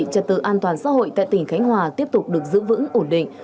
trật tự an toàn xã hội tại tỉnh khánh hòa tiếp tục được giữ vững ổn định